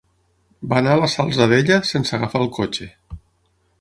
Va anar a la Salzadella sense agafar el cotxe.